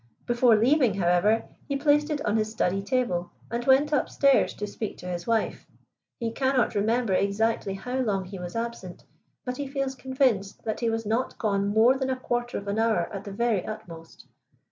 Before leaving, however, he placed it on his study table and went upstairs to speak to his wife. He cannot remember exactly how long he was absent, but he feels convinced that he was not gone more than a quarter of an hour at the very utmost.